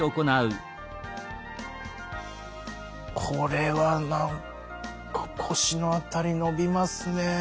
これは何か腰の辺り伸びますね。